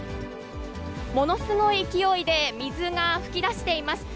ものすごい勢いで水が噴き出しています。